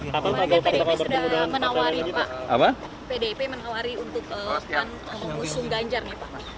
pada saat pdip sudah menawari pak pdip menawari untuk kan mengusung ganjar nih pak